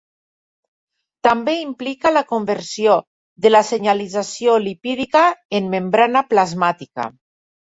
També implica la conversió de la senyalització lipídica en membrana plasmàtica.